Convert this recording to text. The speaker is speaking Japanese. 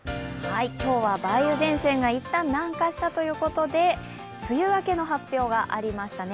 今日は梅雨前線が一旦南下したということで、梅雨明けの発表がありましたね。